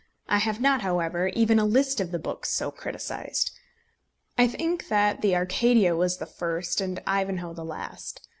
I have not, however, even a list of the books so criticised. I think that the Arcadia was the first, and Ivanhoe the last.